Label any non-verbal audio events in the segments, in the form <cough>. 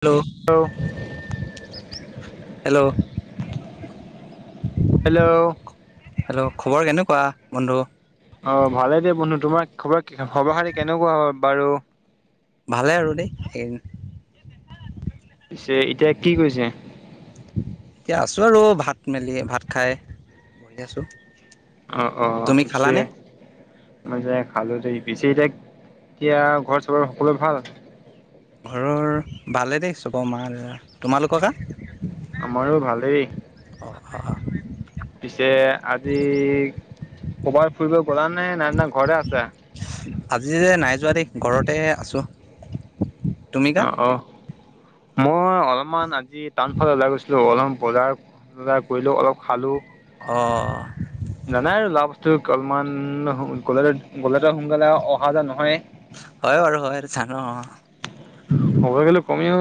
Hello hello hello hello খবৰ কেনেকুৱা বন্ধু অ ভালে দে বন্ধু তোমাৰ খবৰ খবৰ খাতি কেনেকুৱা হয় বাৰু ভালে আৰু দেই যে এতিয়া কি কৈছে এতিয়া আছোঁ আৰু ভাত মেলি ভাত খাই বহি আছোঁ অঁ অঁ তুমি পিছে খালানে মানে যে খালো পিছে এতিয়া এতিয়া ঘৰত চবৰে সকলোৰে ভাল ঘৰৰ ভালেই দে চব মা, দাদা তোমালোকৰ <unintelligible> আমাৰো ভালেই অ', পিছে ক'বাত ফুৰিব গ'লা নে নাই নে ঘৰতে আছা? আজি যে নাই যোৱা দেই, ঘৰতে আছোঁ। তুমি কা অ', অ', মই অলপমান আজি টাউনফলত ওলাই গৈছিলো, অলপমান বজাৰ চজাৰ কৰিলো, অলপ খালো অ', জানাই আৰু লাভ বস্তু অলপমান গ'লে গ'লেতো সোনকালে অহা যোৱা নহয় হয় বাৰু হয়, জানো অ', কব গলে কমিও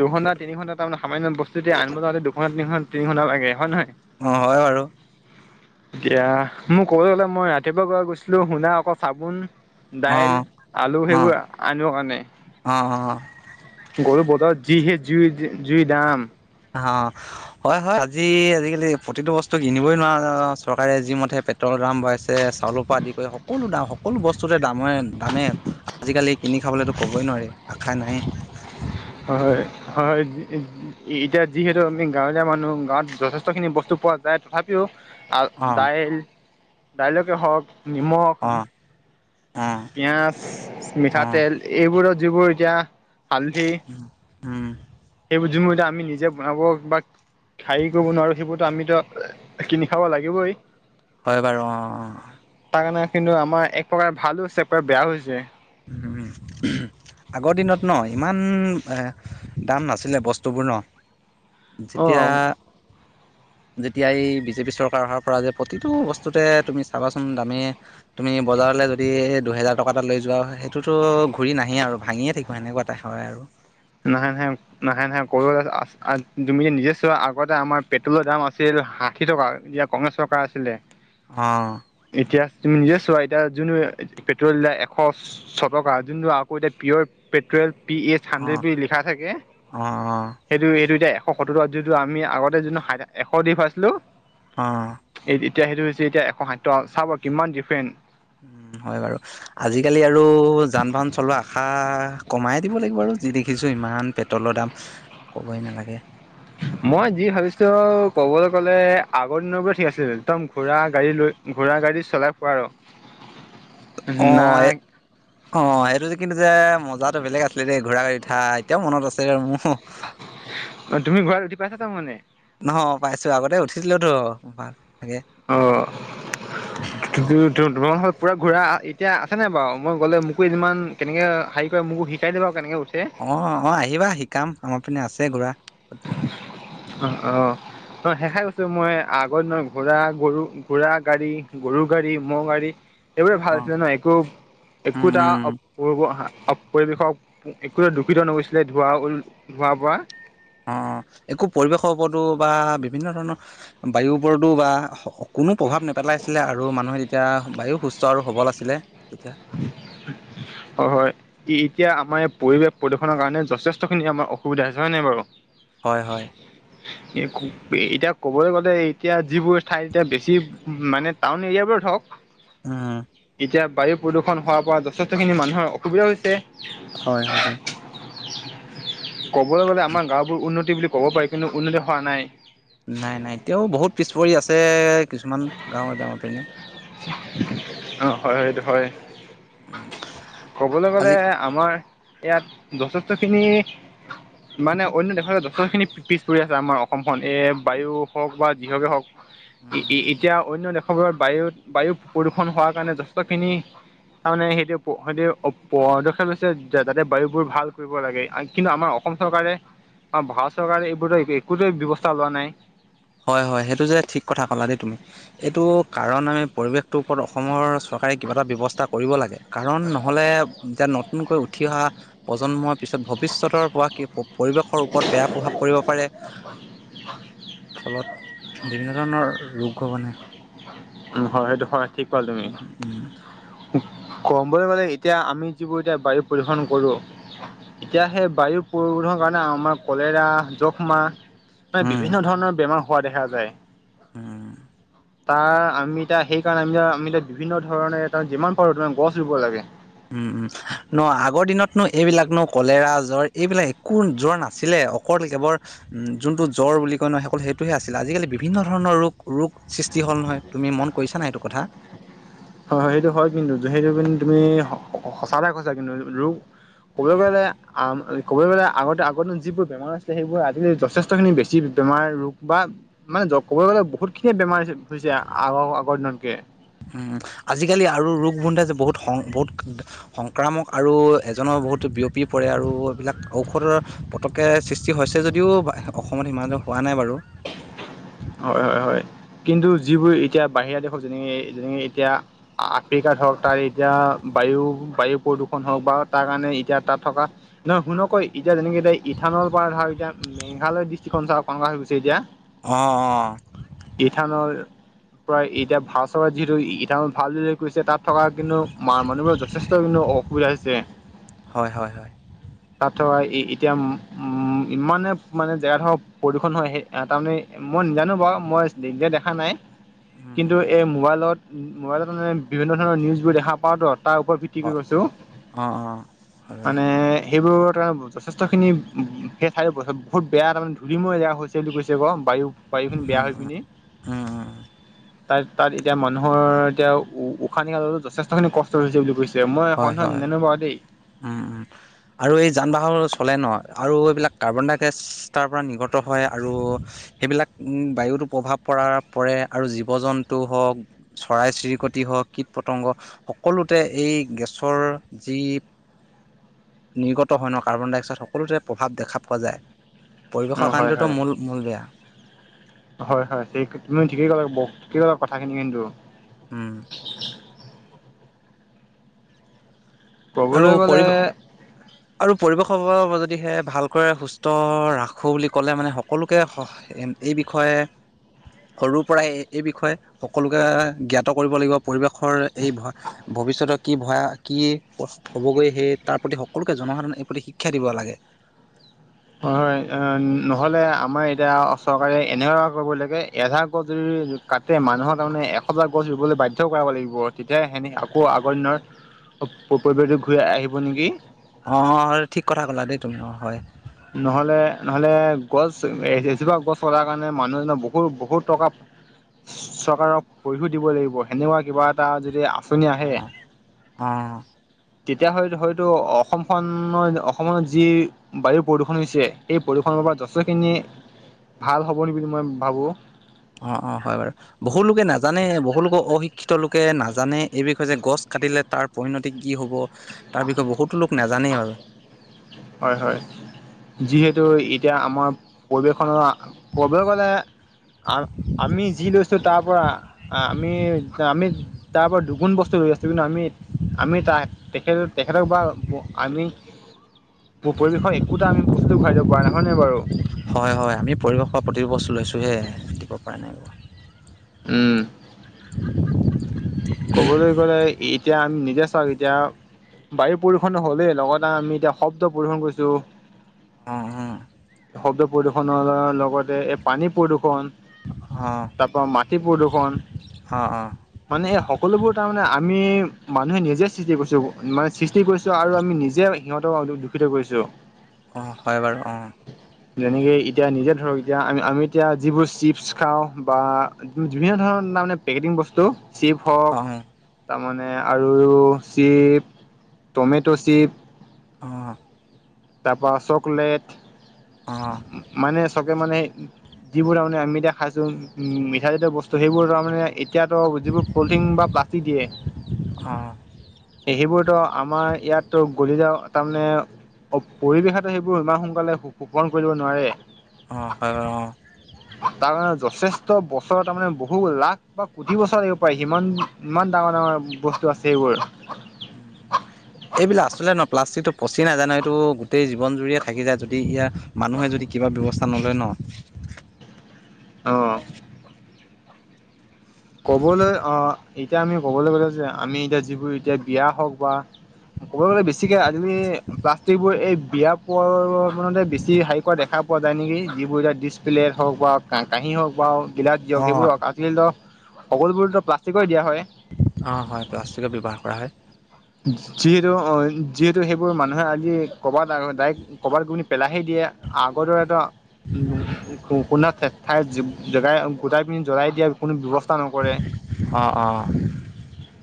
দুঘণ্টা তিনি ঘণ্টা তাৰমানে সামান্য বস্তু যে আনিব যাওঁতে দুণ্টা তিনি তিনি ঘণ্টালাগে হয় নহয়? অ', হয় বাৰু এতিয়া মোক কব গ'লে মই ৰাতিপুৱা গৈ গৈছিলো শুনা আকৌ চাবোন দাইল, অঁ আলু, অঁ সেইবোৰ আনিব কাৰণে অঁ অঁ গলো বজাৰ যিহে জুই জুই দাম অ', হয়, হয়, আজি আজিকালি প্ৰতিটো বস্তু কিনিবই নোৱাৰো চৰকাৰে যিমতে পেট্ৰল দাম বঢা়ইছে চাউলৰ পৰা আদি কৰি সকলো বস্তুৰে দামে আজিকালি কিনি খাবলৈতো ক'বই নোৱাৰি <unintelligible> নাই হয়, হয়, হয়, এতিয়া যিহেতু আমি গাঁৱলীয়া মানুহ গাঁৱত যথেষ্টখিনি বস্তু পোৱা যায়। তথাপিও আহ অ দাইল দাইলকে হওক নিমখ, অ অ পিঁয়াজ, অ মিঠাতেল, এইবোৰত যিবোৰ এতিয়া হালধি উম। <unintelligible> আমি নিজে বনাব বা খাহি কৰিব নোৱাৰো সেইিবোৰতো আমিতো কিনি খাব লাগিবই। হয়, বাৰু অ', অ', তাৰ কাৰণে, কিন্তু আমাৰ এক প্ৰকাৰে ভালো হৈছে এক প্ৰকাৰ বেয়া হৈছে <unintelligible> আগৰ দিনত ন ইমান দাম নাছিলে বস্তুবোৰ ন অ যেতিয়া যেতিয়া এই বিজেপি চৰকাৰ অহাৰ প্ৰতিটো বস্তুতে তুমি চাবা ম, দামী তুমি বজাৰলৈ যদি দুহেজাৰ টকা এটা লৈ যোৱা হয় সেইটোতো ঘূৰি নাহে আৰু ভাঙিয়ে থাকিব সেনেকুৱা এটা হয় আৰু নাহে, নাহে, নাহে, নাহে, ক তুমি যে নিজে চোৱা আগতে আমাৰ পেট্ৰলৰ দাম আছিল ষাঠি টকা, এতিয়া কংগ্ৰেছ চৰকাৰ আছিলে অ', এতিয়া তুমি নিজে চোৱা, এতিয়া যোনটো পেট্ৰল দিলা এশ ছ টকা যোনটো আকৌ এতিয়া পিয়ৰ পেট্ৰেল <unintelligible> হাড্ৰেড অঁ বি লিখা থাকে অঁ সেইটো এইটো দে এ সত্তৰ যিটো আমি আগতে যোনটো এশ দি পাইছিলো হ, এতিয়া সেইটো হৈছে এতিয়া এক ষাঠি চাব কিমান ডিফাৰেঞ্চ হয় বাৰু আজিকালি আৰু যান বাহন চলোৱা আশা কমাই দিব লাগিব বাৰু যি দেখিছোঁ ইমান পেট্ৰলৰ দাম ক'বই নালাগে মই যি ভাবিছো কবলৈ গ'লে আগৰ দিনৰ পৰা ঠিক আছিল একদম ঘোৰা গাড়ী লৈ ঘোঁৰা গাড়ী চলাই পোৱা অ ', এ অ', এইটো যে কিন্তু যে মজাতো বেলেগ আছিলে দেই, ঘুৰা গাড়ীত উঠা এতিয়াও মনত আছে ৰ মোৰ অ', তুমি ঘোঁৰাত উঠি পাইছা তাৰ মানে নহ পাইছো, আগতে উঠিছিলোতো ভাল ভাগে তোমাৰখনৰত পূৰা ঘূৰা এতিয়া আছেনে বাৰু মই গ'লে মোকো এদিন মান কেনেকৈ হেৰি কৰি মোকো শিকাই দ বাৰু কেনেকৈ অ অ আহিবা শিকাম আমাৰ পিনে আছে ঘুৰা স উ অ অ শেষাই কৈছো মই আগত নহয় ঘোৰা গৰু ঘোৰা গাড়ী গৰু গাড়ী মহ গাড়ী এইবোৰে ভাল অ আছিলে ন একো উম একোটাব উম পৰিৱেশক একো দুষিত নগৈছিলে ধোৱা ধৱাৰ পৰা অ একো পৰিৱেশৰও উপৰতো বা বিভিন্ন ধৰণৰ বায়ুৰ উপৰতো বা কোনো প্ৰভাৱ নেপেলাই আছিলে আৰু মানুহে তেতিয়া বায়ু সুস্থ আৰু সবল আছিলে। তেতিয়া হয় হয় এতিয়া আমাৰ পৰিৱেশ প্ৰদূষণৰ কাৰণে যথেষ্টখিনি আমাৰ অসুবিধা হৈছে হয় নে নাই বাৰু হয় হয় এ খু এতিয়া ক'বলৈ গ'লে এতিয়া যিবোৰ ঠাই এতিয়া বেছি মানে টাউন এৰিয়া বোৰ হওক উম এতিয়া বায়ু প্ৰদূষণ হোৱাৰ পৰা যথেষ্টখিনি মানুহৰ অসুবিধা হৈছে। হয় হৈছে। ক'বলৈ গ'লে আমাৰ গাঁওবোৰ উন্নতি বুলি ক'ব পাৰি কিন্তু উন্নতি হোৱা নাই। নাই নাই এতিয়াও বহুত পিছ পৰি আছে। কিছুমান গাঁৱৰ গাঁৱৰ পনে অ', হয় সটো হয় কবলৈ গলে আমাৰ ইয়াত যথেষ্ট খিনি মানে অন্য দেশলৈ যথেষ্টখিনি পিছ পৰি আচিলে আমাৰ অসমখন এই বায়ু হওক বা যিহকে হওক আজি এতিয়া অন্য দেশৰবোৰত বায়ু বায়ু প্ৰদূষণ হোৱাৰ কাৰণে যথেষ্ট খিনি তাৰমানে সেইটো সেইটো পদক্ষেপ লৈছে যাতে বায়ুবোৰ ভাল কৰিব লাগে কিন্তু আমাৰ অসম চৰকাৰে বা ভাৰত চৰকাৰে এইবোৰ একোটোৱ ব্যৱস্থা লোৱা নাই। হয় হয় সেইটো যে ঠিক কথা ক'লা দেই তুমি এইটো কাৰণ আমি পৰিৱেশটোৰ ওপৰত অসমৰ চৰকাৰে কিবা এটা ব্যৱস্থা কৰিব লাগে। কাৰণ নহ'লে এতিয়া নতুনকৈ উঠি অহা প্ৰজন্মৰ পিছত ভৱিষ্যতৰ পৰা কি পৰিৱেশৰ ওপৰত বেয়া প্ৰভাৱ পৰিব পাৰে। হয়। ফলত বিভিন্ন ধৰণৰ ৰোগ হ' বানে উ হয় সেইটো হয় ঠিক ক তুমি উম ক'বলৈ গ'লে এতিয়া আমি যিবোৰ এতিয়া বায়ু প্ৰদূষণ কৰোঁ এতিয়া উম সেই বায়ু পৰিশোধৰ কাৰণে আমাৰ কলেৰা যখ্মা মে বিভিন্ন ধৰণৰ বেমাৰ হোৱা দেখা যায়। অ', তাৰ আমিাৰ সেইকাৰণে আমি আমি বিভিন্ন ধৰণে ত যিমান পাৰো তাৰে গছ ৰুব লাগে। উম উম ন আগৰ দিনতনো এইবিলাক নো কলেৰা জ্বৰ এইবিলাক একো জ্বৰ নাছিলে। অকল কেৱৰ উম যোনটো জ্বৰ বুলি কয় নহয় সকল সেইটোহে আছিল আজিকালি বিভিন্ন ধৰণৰ ৰোগ ৰোগ সৃষ্টি হ'ল নহয় তুমি মন কৰিছা না সটো কথা হয় হয় সেইটো হয় কিন্তু সেইটো কিন্তু তুমি সঁচৈ কৈছা কিন্তু ৰোগ ক'বলৈ গ'লে ক'বলৈ গলে আগতে আগতে যিবোৰ বেমাৰ আছে। সেইবোৰ আজ যথেষ্টখিনি বেছি। বেমাৰ ৰোগ বা মানে ক'ব গ'লে বহুত খিনিয়ে বেমাৰ হৈছে আগৰ আগৰ দিনতকে উ আজিকালি আৰু ৰোগ বোন্ধে যে বহুত বহুত সংক্ৰামক আৰু এজনৰ বহুত বিয়পি পৰে আৰু এইবিলাক ঔষধৰ পতকে সৃষ্টি হৈছে যদিও অসমত সিমান হোৱা নাই বাৰু হয়। হয়। হয়। কিন্তু যিবোৰ এতিয়া বাহিৰা দেশ হও যেনে যেনে এতিয়া আফ্ৰিকাত হওক তাত এতিয়া বায়ু বায়ু প্ৰদূষণ হওক বা তাৰ কাৰণে এতিয়া তাত থকা নহয় শুনকৈ এতিয়া যেনেকৈ এতি ইানলপাৰ ধৰ এতিয়া মেঘালয় ডিষ্ট্ৰিক্খনঞ্চ চ কংগ্ৰ হৈ গৈছে এতিয়া অ', অ' ইথানল প্ৰায় এতিয়া ভা চ যিহেতু ই ভাল বুলি কৈছে তাত থকা কিন্তু, ম মানুহবোৰৰ যথেষ্ট কিন্তু অসুবিধা হৈছে হয় হয় হয় তাত ধৰা এতিয়া উ উম ইমানে মানে জেগা ধৰাক প্ৰদূষণ হয় সেই তাৰমানে মই, নজানো বাৰু মই নিজে দেখা নাই উম, কিন্তু এই মোবাইলত মোবাইলত মানে, বিভিন্ন ধৰণৰ নিউজবোৰ দেখা পাওঁ ত তাৰ ওপৰত ভিত্তি কৰি হয় গৈছো অঁ অঁ হয় বাৰু মানে সেইবোৰত ত যথেষ্টখিনি সেই ঠাইছ বহুত বেয়া তাৰমানে ধূলি জেগা হৈছে বুলি কৈছে কওঁ বায়ু বাৰিখন বেয়া উম উম হৈ পিনি উম উম তাত তাত এতিয়া মানুহৰ এতিয়া উ উশাহ নিশালো যথেষ্টখিনি কষ্ট হৈছে বুলি কৈছে মই <unintelligible> ননেুৱা দেই অ', আৰু এই যান বাহন চলে ন আৰু এইবিলাক কাৰ্বন ডাই অক্সাইজ তাৰ পৰা নিৰ্গত হয় আৰু সেইবিলাক উ বায়ুতো প্ৰভাৱ পৰা পৰে আৰু জীৱ জন্তুও হওক চৰাই চিৰিকটি কীট পতংগ সকলোতে এই গেছৰ যি নিৰ্গত হয় ন, কাৰ্বন ডাই অক্সাইড সকলোতেৰে প্ৰভাৱ দেখা পোৱা যায় পৰিৱেশৰ অ', হয়, কাৰণেতো হয়, মূল মূল বেয়া হয়, হয়, তুমি ঠিকেই ক'লা কিত কথাখিনিম কিন্তু হম, আৰু ক'বলৈ পৰি গ'লে আৰু পৰিৱেশ যদিহে ভালকৈ সুস্থ ৰাখোঁ বুলি ক'লে মানে সকলোকে এই বিষয়ে সৰুৰ পৰাই এই বিষয়ে সকলোকে জ্ঞাত কৰিব লাগিব পৰিৱেশৰ এই ভ ভৱিষ্যতৰ কি ভয়া কি হ'বগৈ সেই তাৰ প্ৰতি সকলোকে জনসাধাৰণে এই প্ৰতি শিক্ষা দিব লাগে হয়, হয়, অ', নহলে আমাৰ এতিয়া চৰকাৰে এনে কৰিব লাগে, এঘাৰ। <unintelligible> কাতে মানুহৰ তাৰমানে এশডাল গছ ৰুবলৈ বাধ্য কৰাব লাগিব। তেতিয়া সে আকৌ আগৰ দিনৰ পৰিবটো ঘূৰি আহিব নেকি? অ', ঠিক কথা ক'লা দেই তুমি। অ হয়। ন'হলে ন'হলে গছ এজোপা গছ কতাৰ কাৰণে মানুহ এজনৰ বহুত বহুত টকা চৰকাৰক <unintelligible> স়ো দিব লাগিব। সেনেকুৱা কিবা এটা যদি আঁচনি আহে অ', অ', তেতিয়া হয় হয়তো অসমখনত অসমত যি বায়ু প্ৰদূষণ হৈছে সেই প্ৰদূষণৰ পৰা যথেখিনি ভাল হ'বনি বুলি মই ভাবোঁ অ', অ', হয় বাৰু বহুুলোকে নাজানে বহুলোকৰ অশিক্ষিত লোকে নাজানে, এই বিষয় যে গছ কাটিলে তাৰ পৰিণতি কি হ'ব? তাৰ বিষয়ে বহুতো লোক নাজানেই বাৰু কি <unintelligible> এতিয়া আমাৰ পৰিৱেশনৰ ক'ব গ'লে আ আমি যি লৈছো তাৰ পৰা আমি আমি তাৰ পৰা দুগুণ বস্তু <unintelligible> আছো কিন্তু আমি আমি তাক তেখ তেখেতক বা আমি পৰিৱেশৰ একোটা আমি <unintelligible> ঘূৰাই দিব পৰা নহয়নে বাৰু? হয়, হয়, আমি পৰিৱেশৰ প্ৰতিটো বস্তু লৈছোঁহে, দিব পৰা নাই বাৰু। উম, ক'বলৈ গ'লে, এতিয়া আমি নিজে চাওঁ এতিয়া বায়ু প্ৰদূষনো হ'লেই, লগতে আমি এতিয়া শব্দ প্ৰদূষন কৰিছো অ', হয়। শব্দ প্ৰদূষণৰ লগতে এই পানী প্ৰদূৰ্ষণ। অ' তাৰপৰা মাটি প্ৰদূষণ। অ' অ' মানে, এই সকলোবোৰ তাৰমানে আমি মানুহে নিজে সৃষ্টি কৰিছো মানে সৃষ্টি কৰিছো আৰু আমি নিজে সিহঁতক দূষিত কৰিছো‌ অ', হয় বাৰু অ', যেনেকে এতিয়া নিজে ধৰক, এতিয়া আ আমি এতিয়া যিবোৰ চিপছ খাওঁ বা বিভিন্ন ধৰণৰ পেকেজিং বস্তু, চিপ হক। অ' তাৰ মানে আৰু চিপ, টমেট' চিপ। অহ। তাৰ পৰা চকলেট। অ। চবকে মানে, যিবোৰ তাৰমানে আমি এতিয়া খাইছোঁ মিঠা জিতীয় বস্তু, সেইবোৰ তাৰমানে এতিয়াতো যিবোৰ পলিথিন বা প্লাষ্টিক দিয়ে। অ', সেইবোৰতো আমাৰ ইয়াতো গলি যাওঁ, তাৰমানে অ', পৰিৱেশেটো সেইবোৰ সিমান সোনকালে শোষন কৰিব নোৱাৰে। অঁ হয় অ। তাৰ কাৰণে যথেষ্ট বছৰ তাৰমানে বহু লাখ বা কোটি বছৰ লাগিব পাৰে। সিমান ইমান ডাঙৰ ডাঙৰ আছে এইবোৰ। উম। এইবিলাক আচলতে নহয় প্লাষ্টিকটো পচি নাযায়, এইটো গোটেই জীৱন জুৰিয়ে থাকি যায়। যদি ইয়াৰ মানুহে যদি কিবা ব্যৱস্থা নলয় ন। অঁ। কবলৈ আহ এতিয়া আমি ক'বলৈ গ'লে যে আমি এতিয়া যিবোৰ এতিয়া বিয়া হওক বা ক'ব গ'লে বেছিকে আজি প্লাষ্টিক বোৰ এই বিয়া প্ৰগ্ৰামতে বেছিকে হেৰি কৰা দেখা পোৱা যায় নেকি? যিবোৰ এতিয়া ডিচপ্লে হওঁক বা কাঁহী হওক বাৰু। গিলাচ দিয়ক অ', সেইবোৰক আজিয়ে ল‌ওঁক, সকলোবোৰতো প্লাষ্টিকৰে দিয়া হয়। অ', হয়। প্লাষ্টিকৰ ব্যৱহাৰ কৰা হয়। যিহেতু অ যিহেতু সেইবোৰ মানুহে আজি কৰবাত ড কবাত কি পেলাহে দিয়ে আগৰ দৰে এটা উ কোনোন ঠাইৰ জেগাই গোটাই পিনি জ্বলাই দিয়া কোনো ব্যৱস্থা নক অ', অ',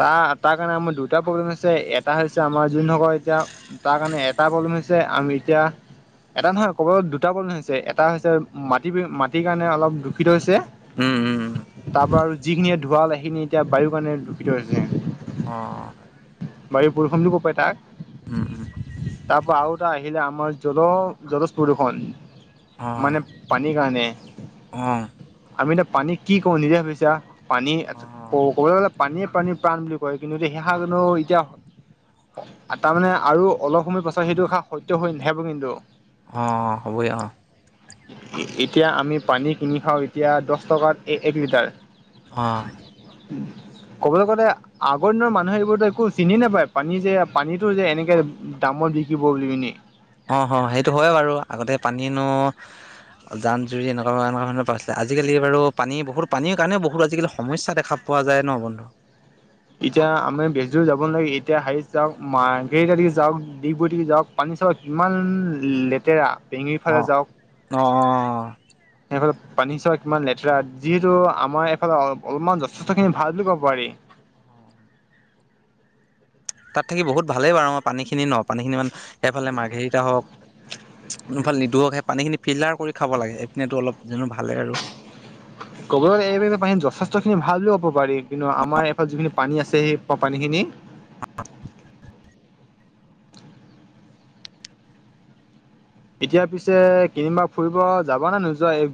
তাত তাৰ কাৰণে আমাৰ দুটা প্ৰব্লেম হৈছে এটা হৈছে আমাৰ যোনসকল এতিয়া তাৰ কাৰণে এটা প্ৰব্লেম হৈছে আমি এতিয়া এটা নহয় ক'ব দুটা প্ৰব্লেম হৈছে এটা হৈছে মাটি মাটিৰ কাৰণে অলপ দূষিত হৈছে। উম, উম, উম, তাৰ পৰাা আৰু যিখিনিয়ে ধুৱাল সেইখিনি এতিয়া বায়ুৰ কাৰণে দূষিত হৈছে। আৰু বাৰী পৰষমটো ক পাই তাক উম, তাৰ পৰা আৰু এটা আহি আহিলে আমাৰ জল জলস প্ৰদূষণ অ', মানে পানীৰ কাৰণে অ', আমি এতিয়া পানী কি কৰো নিদিয় ভাবিছা পানীয়ে ক অ', ক'বলৈ গ'লে পানীয়ে প্ৰানীৰ প্ৰাণ বুলি কয় কিন্তু এতিয়া সেইহা কো এতিয়া তাৰমানানে আৰু অলপ সময় পাছত সেইটো খ সত্য় হৈ নাাহেব কিন্তু অ হ'বই অ এতিয়া আমি পানী কিনি খাওঁ এতিয়া দহ টকাত এক লিটাৰ অ ক'বলৈ গ'লে আগৰ দিনৰ মানুহে এইবোৰতো একো চিনি নাপায় পানী যে পানীতো যে এনেকে দামৰত দি কিববনে অ হ সেইটো হয় বাৰু আগতে পানীনো জান জুৰি এনেকুৱা এনেকুৱা ধৰণৰ প আছিলে আজিকি বু পানী বহুত পানীৰ কাৰণে বহুত আজিকালি সমসা দেখা পায় পোৱা যায় ন বন্ধু এতিয়া আমি বেছ দৰ যাব নালাগে এতিয়া হেৰিত যাওক মাৰ্ঘটে যাওক ডব যাওক পানী কিমান লেতেৰা পেঙিৰ অ ফালে অ এইফালে পানী চোৱা কিমান লেতেৰা যিহেতু আমাৰ এইফালে অলপমান যথেষ্ট খিনি ভাল বুলি ক'ব পাৰি। অ তাত থাকি বহুত ভালেই বাৰু মই পানীখিনি ন পানীখিনি ইমান সেইফালে মাৰ্ঘেৰিটা হওক কোনফাল নিদোক সেই পানী খিনি ফিল্টাৰ কৰি খাব লাগে। এইপিনেতো অলপ জনো ভালেই আৰু গগ এই প যথেষ্টখিনি ভাল বুলি ক'ব পাৰি কিন্তু আমাৰ এইফাল যিখিনি পানী আছে সেই পানীখিনি অ', এতিয়া পিছে কনিবা ফুৰিব যাব নে নোযোৱা